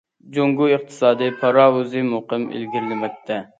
جۇڭگو ئىقتىسادىي پاراۋۇزى مۇقىم ئىلگىرىلىمەكتە.